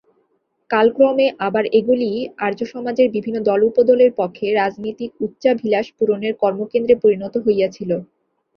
কালক্রমে আবার এগুলিই আর্যসমাজের বিভিন্ন দল-উপদলের পক্ষে রাজনীতিক উচ্চাভিলাষ-পূরণের কর্মকেন্দ্রে পরিণত হইয়াছিল।